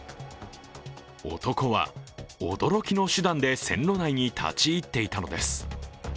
男は驚きの手段で線路内に立ち入っていたのです。